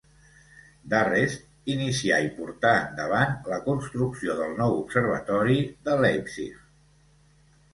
D'Arrest inicià i portà endavant la construcció del nou observatori de Leipzig.